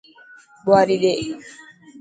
ٻواري ڏي.